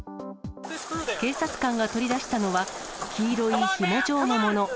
警察官が取り出したのは、黄色いひも状のもの。